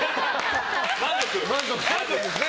満足ですね。